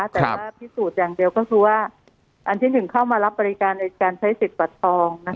แต่ว่าพิสูจน์อย่างเดียวก็คือว่าอันที่๑เข้ามารับบริการในการใช้สิทธิ์บัตรทอง